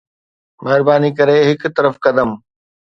مهرباني ڪري هڪ طرف قدم